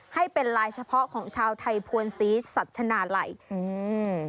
ให้เป็นลายเฉพาะของชาวไทยภวนศรีสัชนาลัยอืม